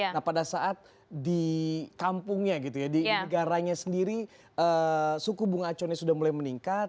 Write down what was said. nah pada saat di kampungnya gitu ya di negaranya sendiri suku bunga acuannya sudah mulai meningkat